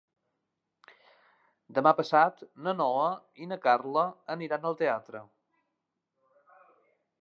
Demà passat na Noa i na Carla aniran al teatre.